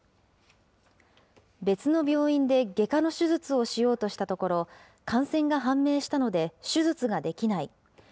別の病院で外科の手術をしようとしたところ、感染が判明したので手術ができない。